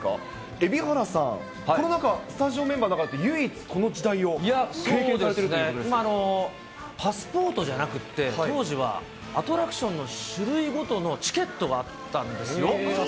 蛯原さん、この中、スタジオメンバーの中で唯一、この時代を経験されてるじゃないいや、そうですね、パスポートじゃなくって、当時は、アトラクションの種類ごとのチケットがあったんですよ。